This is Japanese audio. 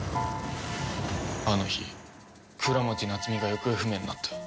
あの日倉持夏美が行方不明になった。